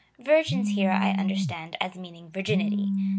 Virgins here I un derstand as meaning virginity.